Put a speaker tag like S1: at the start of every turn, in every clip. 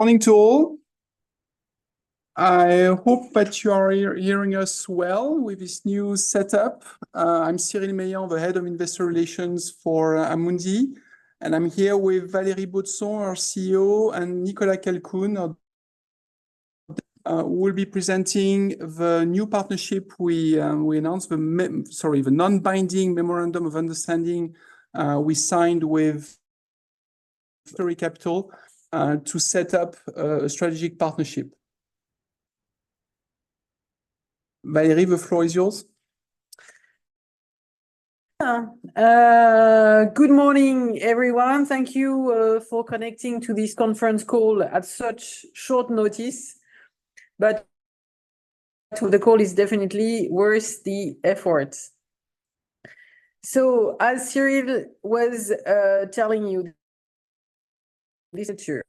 S1: Morning to all. I hope that you are hearing us well with this new setup. I'm Cyril Meilland, the head of investor relations for Amundi, and I'm here with Valérie Baudson, our CEO, and Nicolas Calcoen, who will be presenting the new partnership we announced, sorry, the non-binding memorandum of understanding we signed with Victory Capital to set up a strategic partnership. Valérie, the floor is yours.
S2: Yeah. Good morning, everyone. Thank you for connecting to this conference call at such short notice, but the call is definitely worth the effort. So, as Cyril was telling you, this is not sure.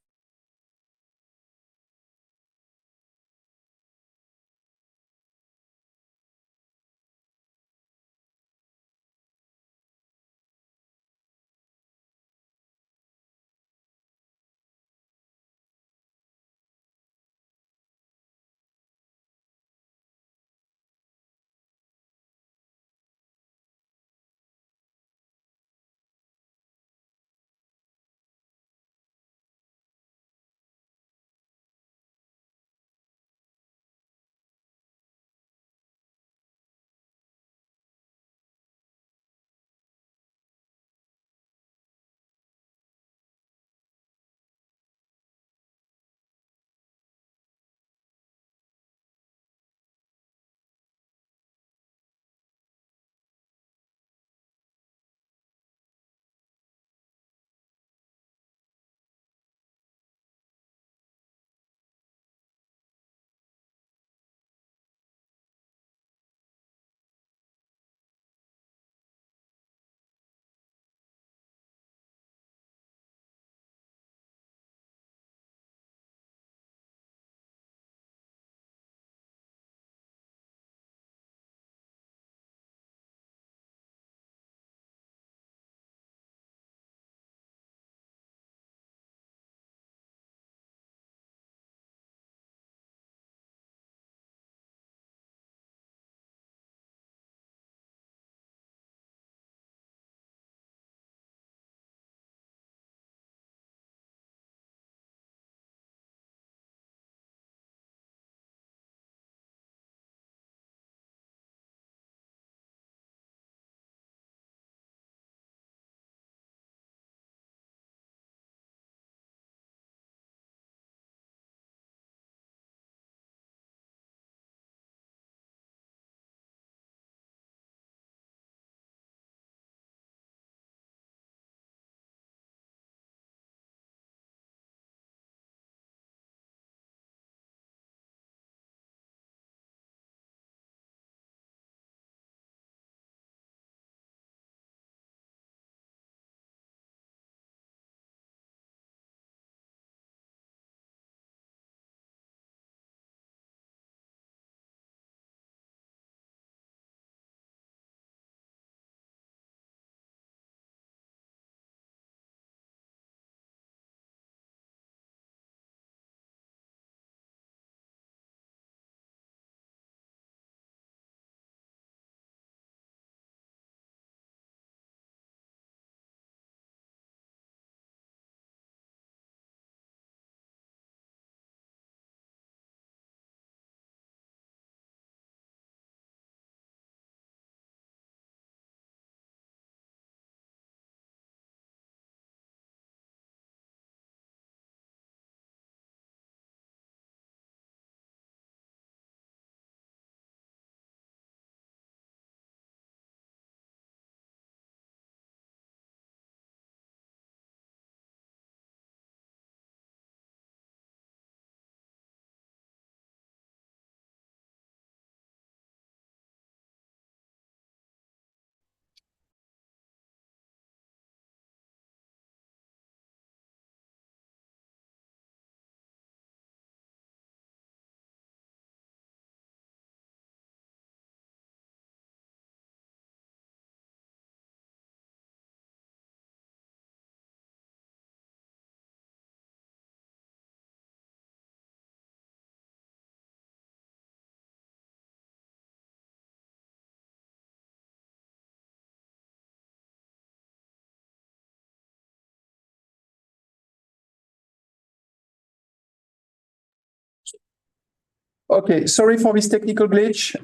S1: Okay, sorry for this technical glitch.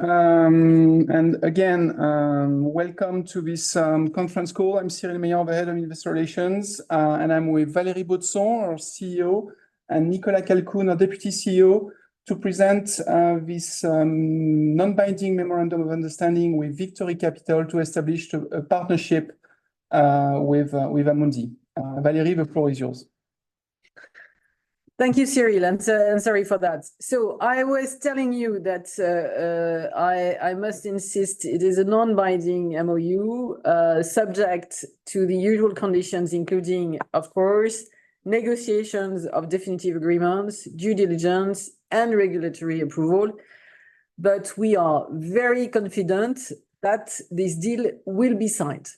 S1: Again, welcome to this conference call. I'm Cyril Meilland, the head of investor relations, and I'm with Valérie Baudson, our CEO, and Nicolas Calcoen, our deputy CEO, to present this non-binding memorandum of understanding with Victory Capital to establish a partnership with Amundi. Valérie, the floor is yours.
S2: Thank you, Cyril. I'm sorry for that. So I was telling you that, I must insist it is a non-binding MOU, subject to the usual conditions, including, of course, negotiations of definitive agreements, due diligence, and regulatory approval, but we are very confident that this deal will be signed.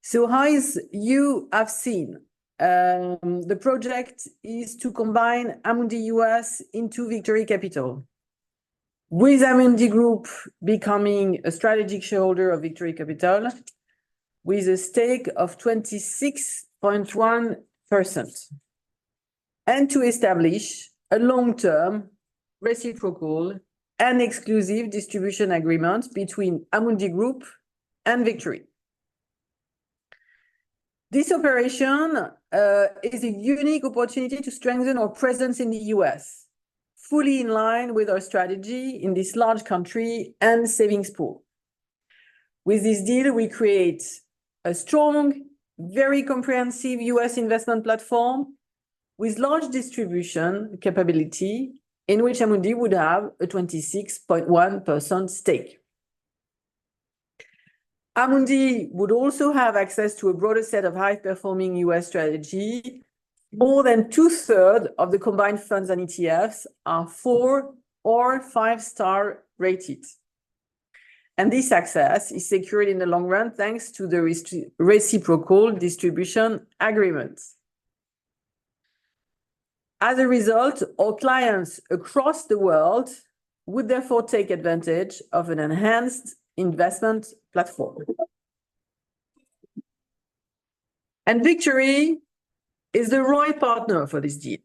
S2: So, as you have seen, the project is to combine Amundi US into Victory Capital, with Amundi Group becoming a strategic shareholder of Victory Capital with a stake of 26.1%, and to establish a long-term, reciprocal, and exclusive distribution agreement between Amundi Group and Victory. This operation is a unique opportunity to strengthen our presence in the U.S., fully in line with our strategy in this large country and savings pool. With this deal, we create a strong, very comprehensive U.S. investment platform with large distribution capability in which Amundi would have a 26.1% stake. Amundi would also have access to a broader set of high-performing U.S. strategy. More than two-thirds of the combined funds and ETFs are four or five-star rated. This access is secured in the long run thanks to the reciprocal distribution agreements. As a result, our clients across the world would therefore take advantage of an enhanced investment platform. Victory is the right partner for this deal.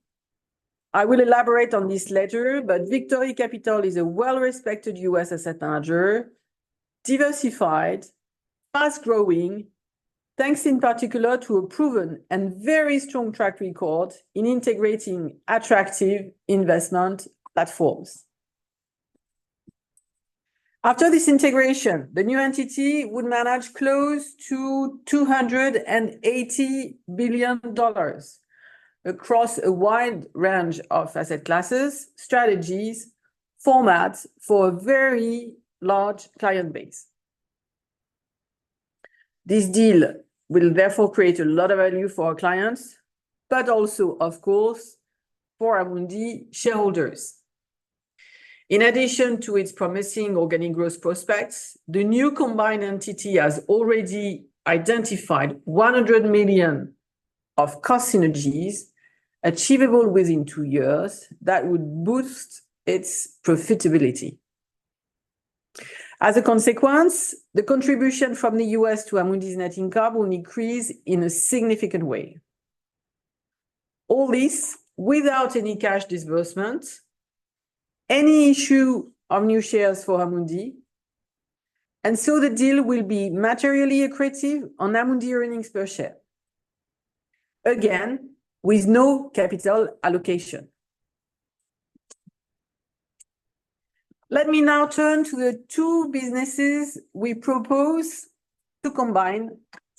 S2: I will elaborate on this later, but Victory Capital is a well-respected U.S. asset manager, diversified, fast-growing, thanks in particular to a proven and very strong track record in integrating attractive investment platforms. After this integration, the new entity would manage close to $280 billion across a wide range of asset classes, strategies, formats for a very large client base. This deal will therefore create a lot of value for our clients, but also, of course, for Amundi shareholders. In addition to its promising organic growth prospects, the new combined entity has already identified 100 million of cost synergies achievable within two years that would boost its profitability. As a consequence, the contribution from the U.S. to Amundi's net income will increase in a significant way. All this without any cash disbursement, any issue of new shares for Amundi, and so the deal will be materially accretive on Amundi earnings per share, again, with no capital allocation. Let me now turn to the two businesses we propose to combine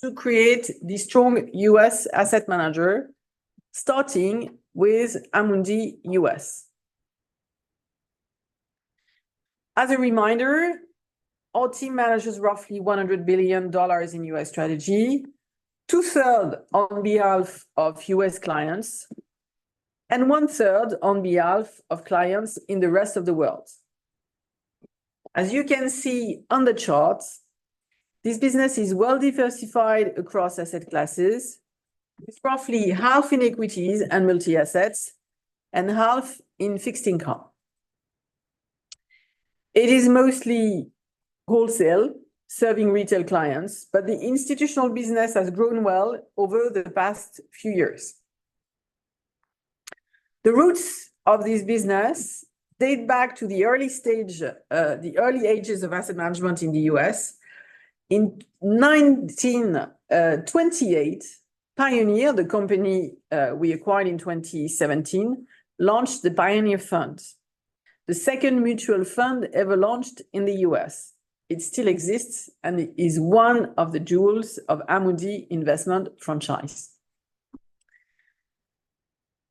S2: to create this strong U.S. asset manager, starting with Amundi US. As a reminder, our team manages roughly $100 billion in U.S. strategy, two-thirds on behalf of U.S. clients, and one-third on behalf of clients in the rest of the world. As you can see on the chart, this business is well-diversified across asset classes, with roughly half in equities and multi-assets, and half in fixed income. It is mostly wholesale, serving retail clients, but the institutional business has grown well over the past few years. The roots of this business date back to the early stage, the early ages of asset management in the U.S. In 1928, Pioneer, the company, we acquired in 2017, launched the Pioneer Fund, the second mutual fund ever launched in the U.S. It still exists and is one of the jewels of Amundi's investment franchise.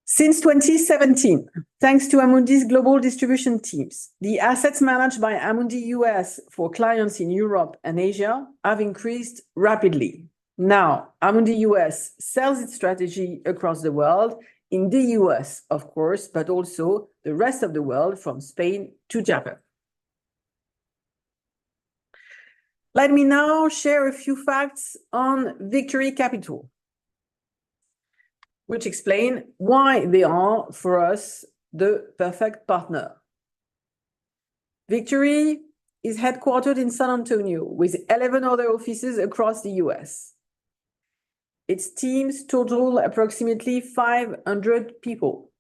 S2: Since 2017, thanks to Amundi's global distribution teams, the assets managed by Amundi US for clients in Europe and Asia have increased rapidly. Now, Amundi US sells its strategy across the world, in the U.S., of course, but also the rest of the world, from Spain to Japan. Let me now share a few facts on Victory Capital, which explain why they are for us the perfect partner. Victory is headquartered in San Antonio, with 11 other offices across the U.S. Its teams total approximately 500 people.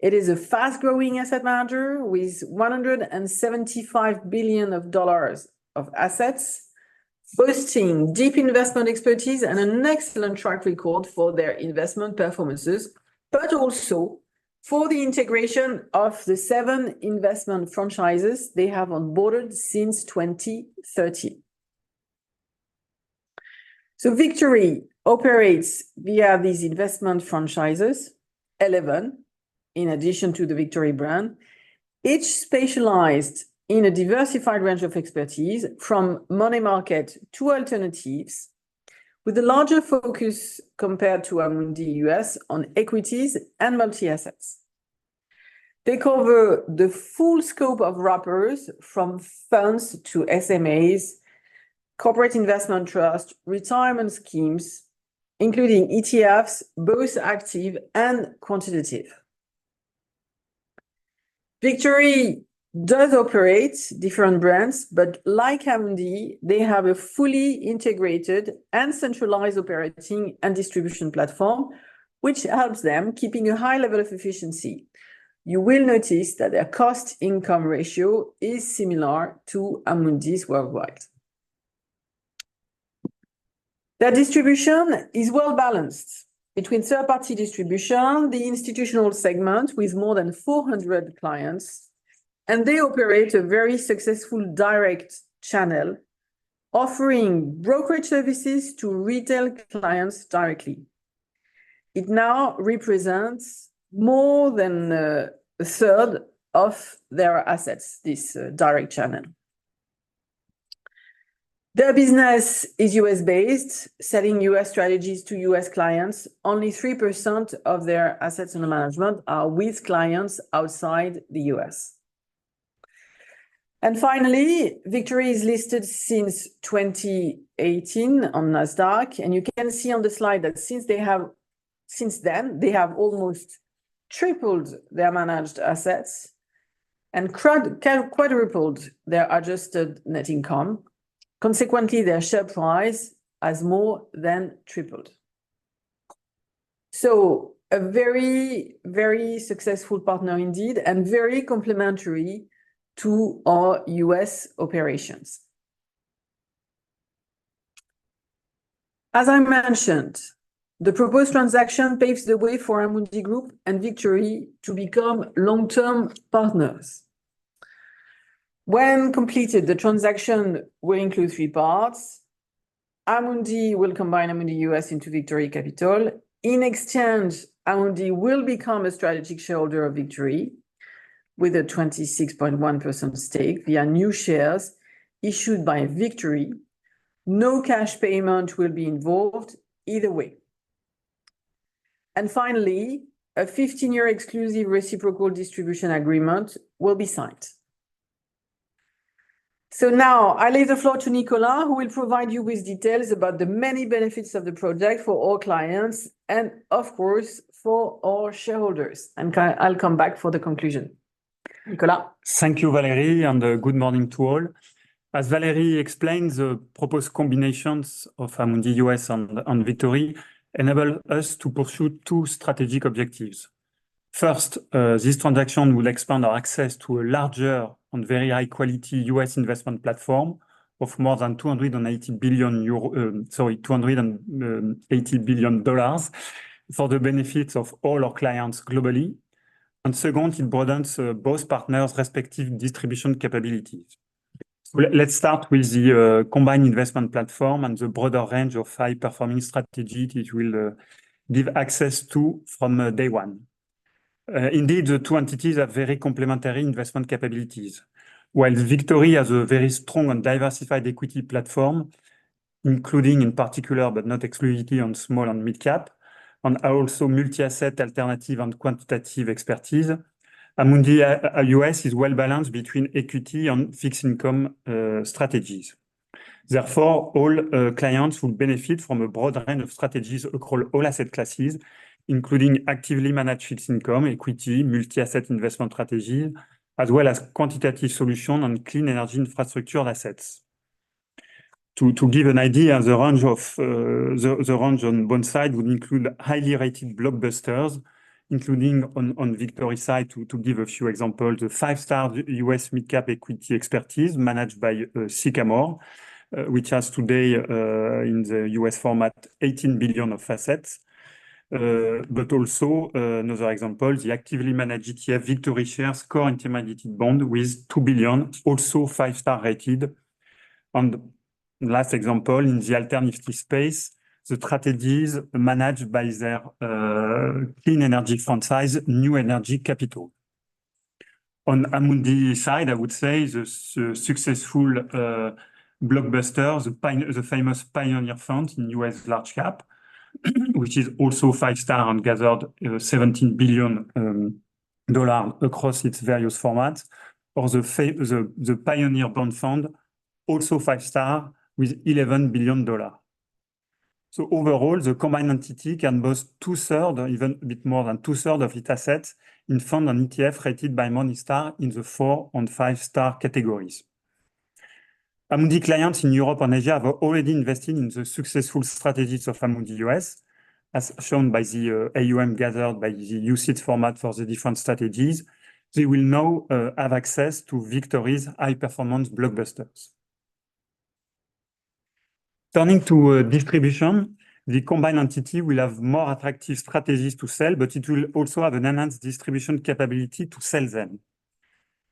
S2: It is a fast-growing asset manager with $175 billion of assets, boasting deep investment expertise and an excellent track record for their investment performances, but also for the integration of the seven investment franchises they have onboarded since 2013. Victory operates via these investment franchises, 11 in addition to the Victory brand, each specialized in a diversified range of expertise from money market to alternatives, with a larger focus compared to Amundi US on equities and multi-assets. They cover the full scope of wrappers, from funds to SMAs, corporate investment trusts, retirement schemes, including ETFs, both active and quantitative. Victory does operate different brands, but like Amundi, they have a fully integrated and centralized operating and distribution platform, which helps them keep a high level of efficiency. You will notice that their cost-income ratio is similar to Amundi's worldwide. Their distribution is well-balanced between third-party distribution, the institutional segment with more than 400 clients, and they operate a very successful direct channel, offering brokerage services to retail clients directly. It now represents more than a third of their assets, this direct channel. Their business is U.S.-based, selling U.S. strategies to U.S. clients. Only 3% of their assets under management are with clients outside the U.S. And finally, Victory is listed since 2018 on Nasdaq, and you can see on the slide that since then, they have almost tripled their managed assets and quadrupled their adjusted net income. Consequently, their share price has more than tripled. So a very, very successful partner indeed, and very complementary to our U.S. operations. As I mentioned, the proposed transaction paves the way for Amundi Group and Victory to become long-term partners. When completed, the transaction will include three parts. Amundi will combine Amundi U.S. into Victory Capital. In exchange, Amundi will become a strategic shareholder of Victory with a 26.1% stake via new shares issued by Victory. No cash payment will be involved either way. And finally, a 15-year exclusive reciprocal distribution agreement will be signed. So now I leave the floor to Nicolas, who will provide you with details about the many benefits of the project for our clients and, of course, for our shareholders. And I'll come back for the conclusion. Nicolas?
S3: Thank you, Valérie, and good morning to all. As Valérie explained, the proposed combinations of Amundi US and Victory enable us to pursue two strategic objectives. First, this transaction would expand our access to a larger and very high-quality US investment platform of more than $280 billion for the benefit of all our clients globally. And second, it broadens both partners' respective distribution capabilities. Let's start with the combined investment platform and the broader range of high-performing strategies it will give access to from day one. Indeed, the two entities have very complementary investment capabilities. While Victory has a very strong and diversified equity platform, including in particular, but not exclusively, on small and mid-cap, and also multi-asset alternative and quantitative expertise, Amundi US is well-balanced between equity and fixed income strategies. Therefore, all clients would benefit from a broad range of strategies across all asset classes, including actively managed fixed income, equity, multi-asset investment strategies, as well as quantitative solutions and clean energy infrastructure assets. To give an idea, the range on both sides would include highly rated blockbusters, including on Victory side, to give a few examples, the five-star US mid-cap equity expertise managed by Sycamore, which has today, in the US format, $18 billion of assets. But also, another example, the actively managed ETF VictoryShares Core Intermediate Bond with $2 billion, also five-star rated. And last example, in the alternative space, the strategies managed by their clean energy franchise, New Energy Capital. On Amundi's side, I would say the successful blockbuster, the famous Pioneer Fund in U.S. large cap, which is also five-star and gathered $17 billion across its various formats, or the Pioneer Bond Fund, also five-star with $11 billion. So overall, the combined entity can boast two-thirds, even a bit more than two-thirds of its assets in funds and ETFs rated by Morningstar in the four and five-star categories. Amundi clients in Europe and Asia have already invested in the successful strategies of Amundi US. As shown by the AUM gathered by the UCITS format for the different strategies, they will now have access to Victory's high-performance blockbusters. Turning to distribution, the combined entity will have more attractive strategies to sell, but it will also have an enhanced distribution capability to sell them.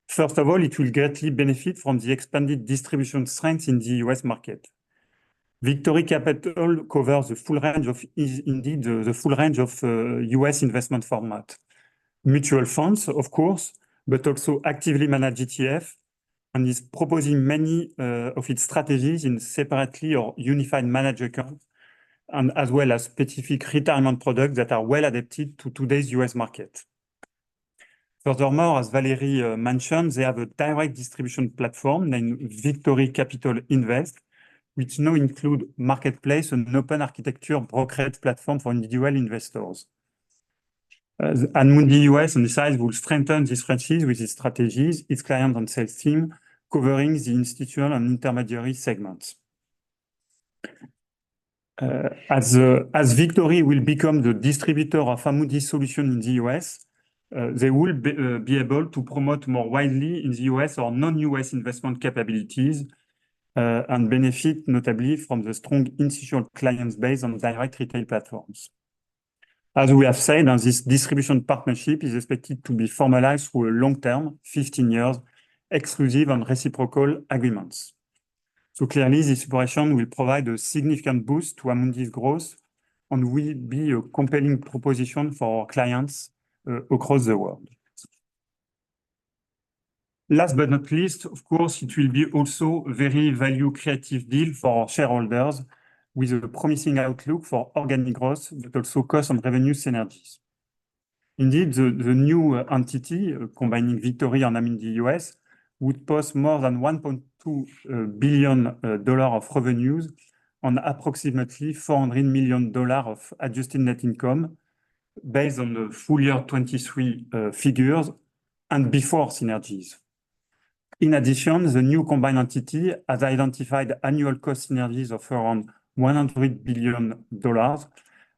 S3: First of all, it will greatly benefit from the expanded distribution strength in the U.S. market. Victory Capital covers the full range of, indeed, the full range of US investment formats. Mutual funds, of course, but also actively managed ETFs, and is proposing many of its strategies separately or unified managed accounts, and as well as specific retirement products that are well adapted to today's US market. Furthermore, as Valérie mentioned, they have a direct distribution platform named Victory Capital Invest, which now includes Marketplace, an open architecture brokerage platform for individual investors. Amundi US on this side will strengthen this franchise with its strategies, its clients and sales team, covering the institutional and intermediary segments. As Victory will become the distributor of Amundi's solution in the US, they will be able to promote more widely in the US or non-US investment capabilities and benefit notably from the strong institutional clients base on direct retail platforms. As we have said, this distribution partnership is expected to be formalized through a long-term, 15-year, exclusive and reciprocal agreement. So clearly, this operation will provide a significant boost to Amundi's growth and will be a compelling proposition for our clients across the world. Last but not least, of course, it will be also a very value-creative deal for our shareholders, with a promising outlook for organic growth, but also cost and revenue synergies. Indeed, the new entity, combining Victory and Amundi US, would post more than $1.2 billion of revenues on approximately $400 million of adjusted net income, based on the full year 2023 figures and before synergies. In addition, the new combined entity has identified annual cost synergies of around $100 billion,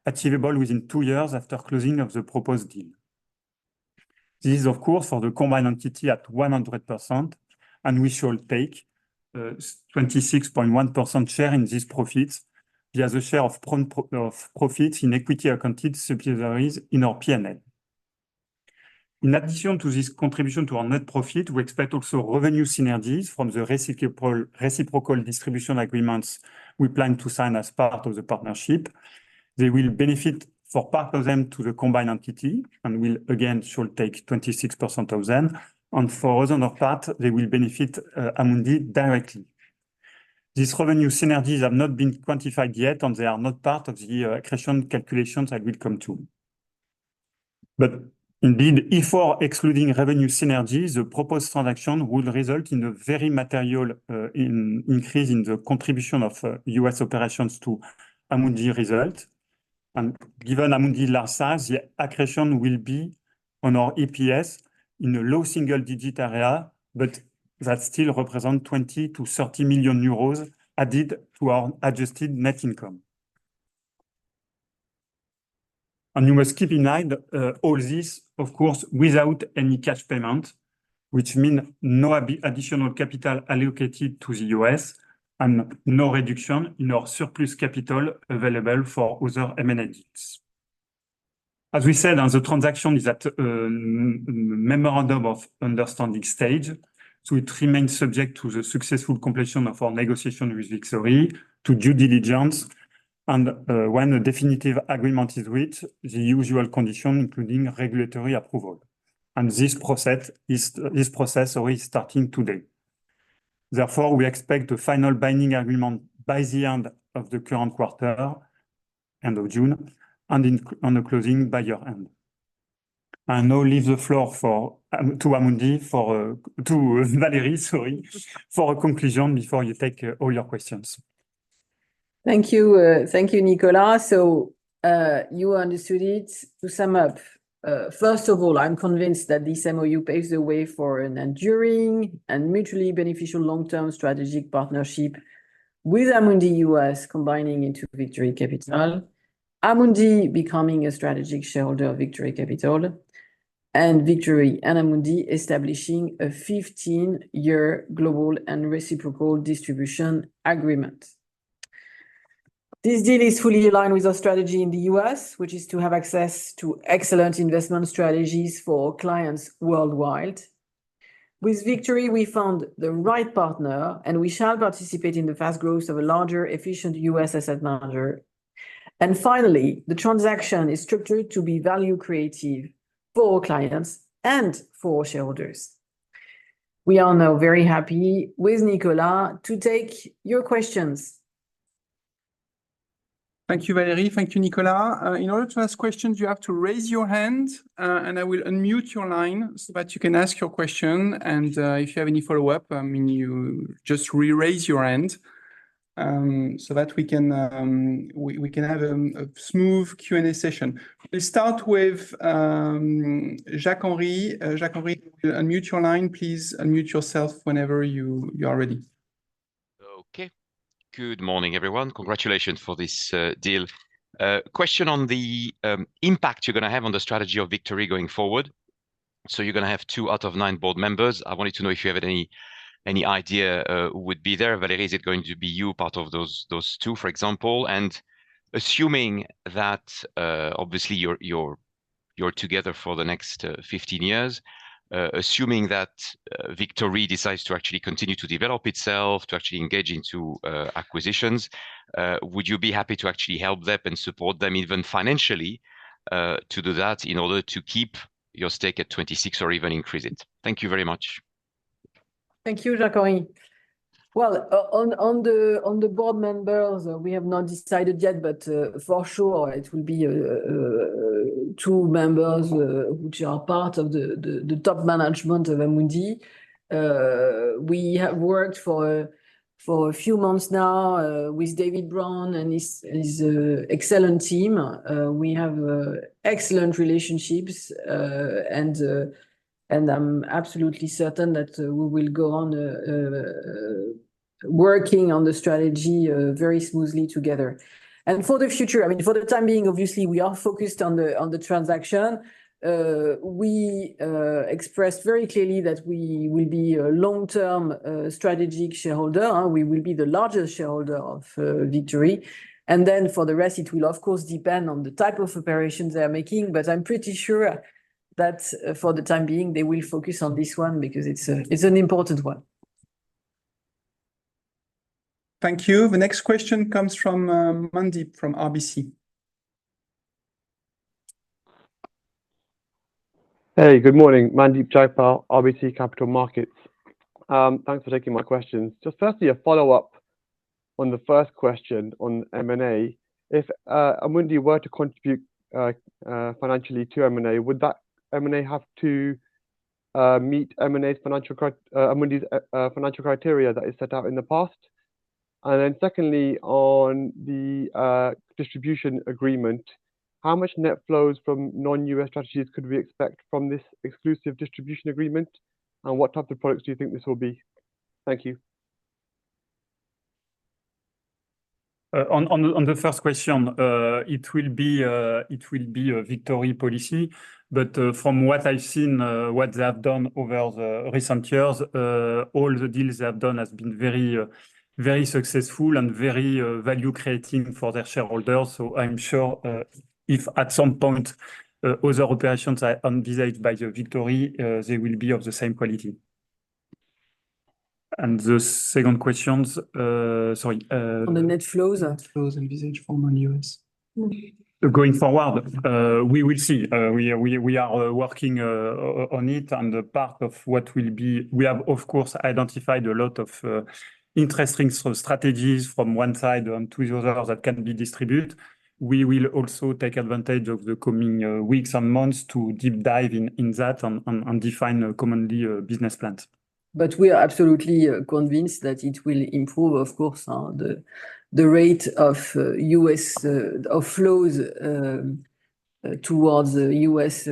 S3: achievable within two years after closing of the proposed deal. This is, of course, for the combined entity at 100%, and we shall take a 26.1% share in these profits via the share of profits in equity accounted subsidiaries in our P&L. In addition to this contribution to our net profit, we expect also revenue synergies from the reciprocal distribution agreements we plan to sign as part of the partnership. They will benefit for part of them to the combined entity and will, again, shall take 26% of them. For another part, they will benefit Amundi directly. These revenue synergies have not been quantified yet, and they are not part of the accretion calculations I will come to. Indeed, if we're excluding revenue synergies, the proposed transaction will result in a very material increase in the contribution of U.S. operations to Amundi's result. Given Amundi's large size, the accretion will be on our EPS in a low single-digit area, but that still represents 20 million-30 million euros added to our adjusted net income. You must keep in mind all this, of course, without any cash payment, which means no additional capital allocated to the US and no reduction in our surplus capital available for other M&A deals. As we said, the transaction is at a memorandum of understanding stage. It remains subject to the successful completion of our negotiation with Victory, to due diligence, and when a definitive agreement is reached, the usual condition, including regulatory approval. This process is already starting today. Therefore, we expect the final binding agreement by the end of the current quarter, end of June, and a closing by year-end. Now I leave the floor to Amundi, to Valérie, sorry, for a conclusion before you take all your questions.
S2: Thank you. Thank you, Nicolas. So you understood it. To sum up, first of all, I'm convinced that this MOU paves the way for an enduring and mutually beneficial long-term strategic partnership with Amundi U.S. combining into Victory Capital, Amundi becoming a strategic shareholder of Victory Capital, and Victory and Amundi establishing a 15-year global and reciprocal distribution agreement. This deal is fully aligned with our strategy in the U.S., which is to have access to excellent investment strategies for our clients worldwide. With Victory, we found the right partner, and we shall participate in the fast growth of a larger, efficient U.S. asset manager. And finally, the transaction is structured to be value-creative for our clients and for our shareholders. We are now very happy with Nicolas to take your questions.
S1: Thank you, Valérie. Thank you, Nicolas. In order to ask questions, you have to raise your hand, and I will unmute your line so that you can ask your question. And if you have any follow-up, I mean, you just re-raise your hand so that we can have a smooth Q&A session. We'll start with Jacques-Henri. Jacques-Henri, unmute your line. Please unmute yourself whenever you are ready.
S4: Okay. Good morning, everyone. Congratulations for this deal. Question on the impact you're going to have on the strategy of Victory going forward. So you're going to have 2 out of 9 board members. I wanted to know if you have any idea who would be there. Valérie, is it going to be you part of those two, for example? And assuming that obviously you're together for the next 15 years, assuming that Victory decides to actually continue to develop itself, to actually engage into acquisitions, would you be happy to actually help them and support them even financially to do that in order to keep your stake at 26 or even increase it? Thank you very much.
S2: Thank you, Jacques-Henri. Well, on the board members, we have not decided yet, but for sure it will be two members which are part of the top management of Amundi. We have worked for a few months now with David Brown and his excellent team. We have excellent relationships, and I'm absolutely certain that we will go on working on the strategy very smoothly together. For the future, I mean, for the time being, obviously, we are focused on the transaction. We expressed very clearly that we will be a long-term strategic shareholder. We will be the largest shareholder of Victory. Then for the rest, it will, of course, depend on the type of operations they are making. I'm pretty sure that for the time being, they will focus on this one because it's an important one.
S1: Thank you. The next question comes from Mandeep from RBC.
S5: Hey, good morning. Mandeep Jagpal, RBC Capital Markets. Thanks for taking my questions. Just firstly, a follow-up on the first question on M&A. If Amundi were to contribute financially to M&A, would that M&A have to meet Amundi's financial criteria that is set out in the past? And then secondly, on the distribution agreement, how much net flows from non-US strategies could we expect from this exclusive distribution agreement? And what type of products do you think this will be? Thank you.
S3: On the first question, it will be Victory policy. But from what I've seen, what they have done over the recent years, all the deals they have done have been very successful and very value-creating for their shareholders. So I'm sure if at some point other operations are envisaged by Victory, they will be of the same quality. And the second questions, sorry.
S2: On the net flows. Net flows envisioned for non-U.S.
S3: Going forward, we will see. We are working on it. Part of what will be we have, of course, identified a lot of interesting strategies from one side and to the other that can be distributed. We will also take advantage of the coming weeks and months to deep dive in that and define commonly business plans.
S2: We are absolutely convinced that it will improve, of course, the rate of flows towards the US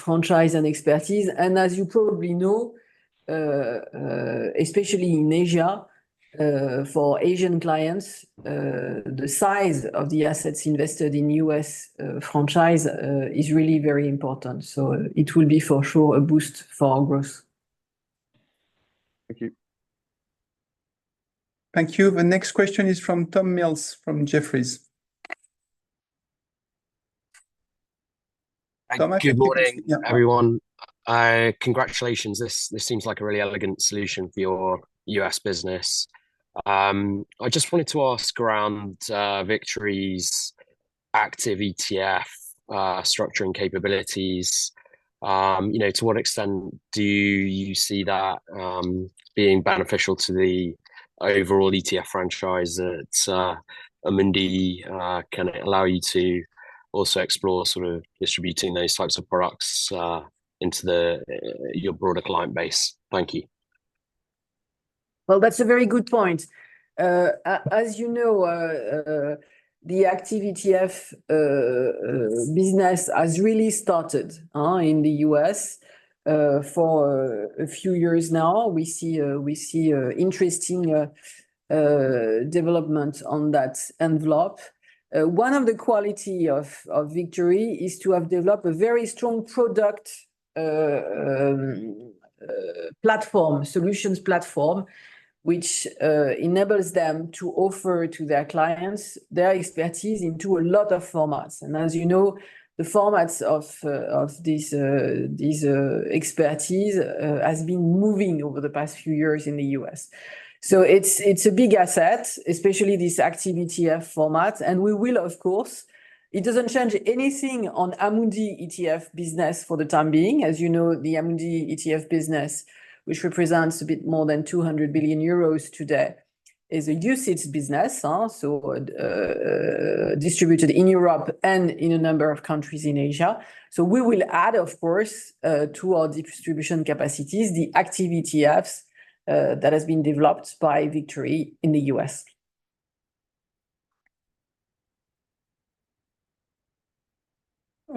S2: franchise and expertise. As you probably know, especially in Asia, for Asian clients, the size of the assets invested in US franchise is really very important. It will be for sure a boost for our growth.
S5: Thank you.
S1: Thank you. The next question is from Tom Mills from Jefferies.
S6: Thank you. Good morning, everyone. Congratulations. This seems like a really elegant solution for your US business. I just wanted to ask around Victory's active ETF structuring capabilities. To what extent do you see that being beneficial to the overall ETF franchise that Amundi can allow you to also explore sort of distributing those types of products into your broader client base? Thank you.
S2: Well, that's a very good point. As you know, the active ETF business has really started in the US for a few years now. We see interesting development on that envelope. One of the qualities of Victory is to have developed a very strong product platform, solutions platform, which enables them to offer to their clients their expertise into a lot of formats. And as you know, the formats of this expertise have been moving over the past few years in the US. So it's a big asset, especially this active ETF format. And we will, of course it doesn't change anything on Amundi ETF business for the time being. As you know, the Amundi ETF business, which represents a bit more than 200 billion euros today, is a UCITS business, so distributed in Europe and in a number of countries in Asia. We will add, of course, to our distribution capacities the active ETFs that have been developed by Victory in the U.S.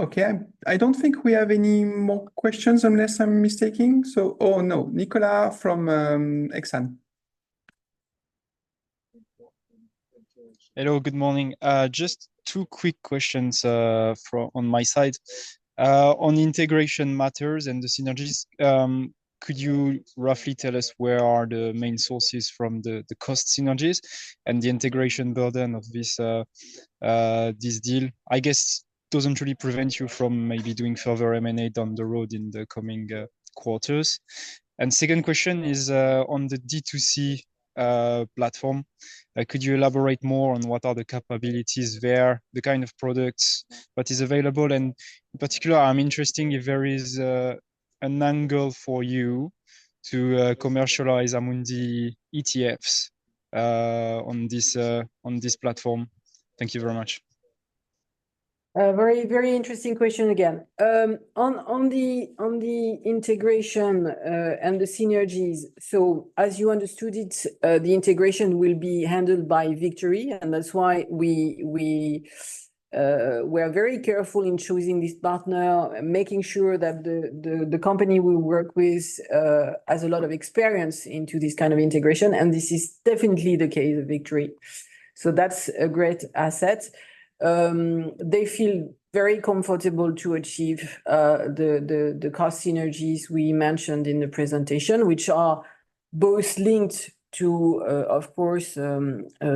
S1: Okay. I don't think we have any more questions unless I'm missing. So, oh, no. Nicolas from Exane.
S7: Hello. Good morning. Just two quick questions on my side. On integration matters and the synergies, could you roughly tell us where are the main sources from the cost synergies and the integration burden of this deal? I guess it doesn't really prevent you from maybe doing further M&A down the road in the coming quarters. Second question is on the D2C platform. Could you elaborate more on what are the capabilities there, the kind of products that are available? In particular, I'm interested if there is an angle for you to commercialize Amundi ETFs on this platform. Thank you very much.
S2: Very, very interesting question again. On the integration and the synergies, so as you understood it, the integration will be handled by Victory. And that's why we are very careful in choosing this partner, making sure that the company we work with has a lot of experience into this kind of integration. And this is definitely the case of Victory. So that's a great asset. They feel very comfortable to achieve the cost synergies we mentioned in the presentation, which are both linked to, of course,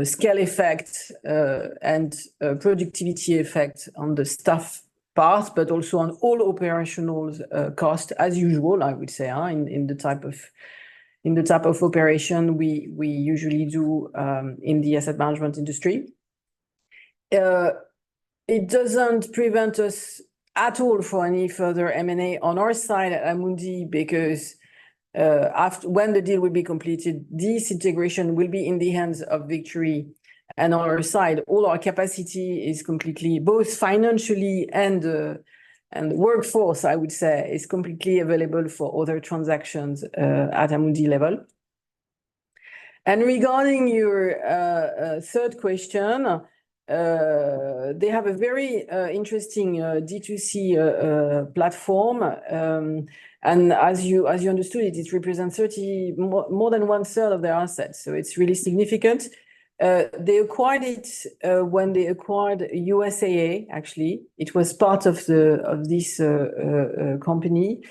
S2: scale effect and productivity effect on the staff path, but also on all operational costs, as usual, I would say, in the type of operation we usually do in the asset management industry. It doesn't prevent us at all for any further M&A on our side at Amundi because when the deal will be completed, this integration will be in the hands of Victory. On our side, all our capacity is completely both financially and workforce, I would say, is completely available for other transactions at Amundi level. Regarding your third question, they have a very interesting D2C platform. And as you understood it, it represents more than one-third of their assets. So it's really significant. They acquired it when they acquired USAA, actually. It was part of this company.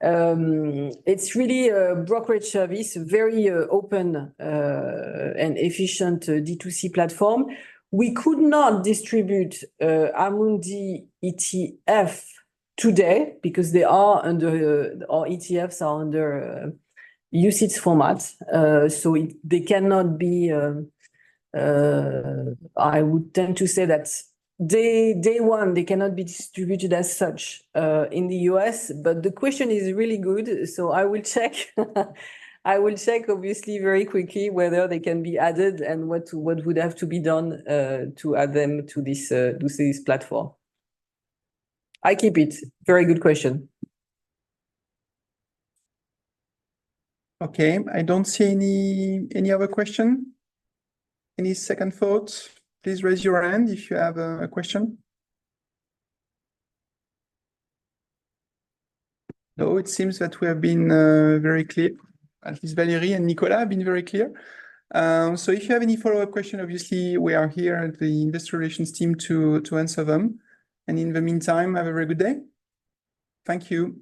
S2: It's really a brokerage service, a very open and efficient D2C platform. We could not distribute Amundi ETF today because our ETFs are under UCITS format. So they cannot be I would tend to say that day one, they cannot be distributed as such in the US. But the question is really good. So I will check, obviously, very quickly whether they can be added and what would have to be done to add them to this platform. I keep it. Very good question.
S1: Okay. I don't see any other question. Any second thoughts? Please raise your hand if you have a question. No, it seems that we have been very clear. At least Valérie and Nicolas have been very clear. So if you have any follow-up question, obviously, we are here at the investor relations team to answer them. And in the meantime, have a very good day. Thank you.